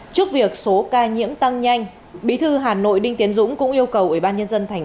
trước việc số ca nhiễm tăng nhanh bí thư hà nội đinh tiến dũng cũng yêu cầu ủy ban nhân dân tp hcm